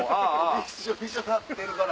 びっしょびしょになってるから。